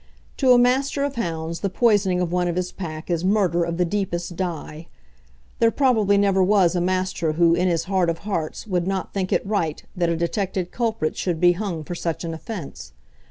To a Master of Hounds the poisoning of one of his pack is murder of the deepest dye. There probably never was a Master who in his heart of hearts would not think it right that a detected culprit should be hung for such an offence.